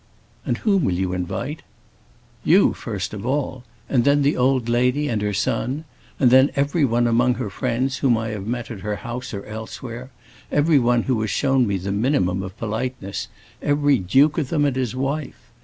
"And whom will you invite?" "You, first of all. And then the old lady and her son. And then everyone among her friends whom I have met at her house or elsewhere, everyone who has shown me the minimum of politeness, every duke of them and his wife.